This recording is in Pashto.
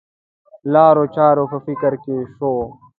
لارو چارو په فکر کې شو.